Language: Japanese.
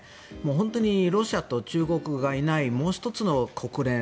本当にロシアと中国がいないもう１つの国連。